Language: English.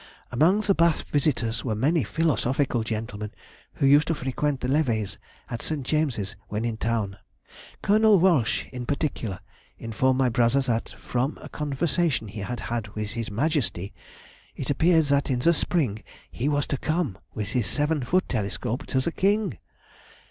"Among the Bath visitors were many philosophical gentlemen who used to frequent the levées at St. James's, when in town. Colonel Walsh, in particular, informed my brother that from a conversation he had had with His Majesty, it appeared that in the spring he was to come with his seven foot telescope to the King.